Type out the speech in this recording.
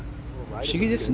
不思議ですね。